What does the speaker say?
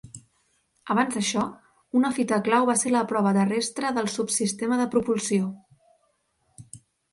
Abans d'això, una fita clau va ser la prova terrestre del subsistema de propulsió.